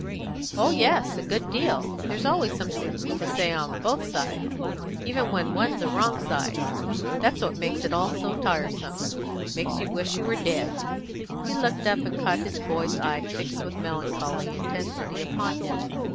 "Oh yes, a good deal. There's always something to say on both sides, even when one's a wrong side. That's what makes it all so tiresome makes you wish you were dead." He looked up, and caught his boy's eye fixed with melancholy intensity upon him.